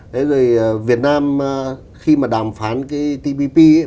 đấy rồi việt nam khi mà đàm phán cái tpp ấy